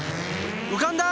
うかんだ！